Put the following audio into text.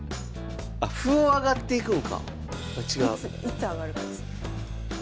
いつ上がるかですよね。